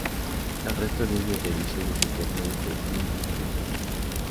El resto viene de ediciones anteriores de Pro Evolution Soccer.